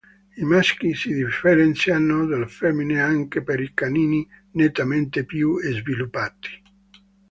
I maschi si differenziano dalle femmine anche per i canini nettamente più sviluppati.